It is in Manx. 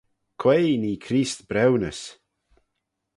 Quoi nee Creest briwnys?